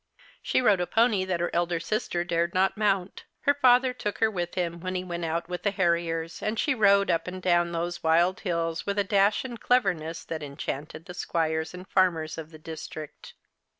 She rode a pony that her elder sister dared not mount. Her father took her with him when he went out with the harriers, and she rode up and down The Christmas Hirelings. 47 those \\ild hills with a dash and cleverness that enchanted the squires and farmers of the district.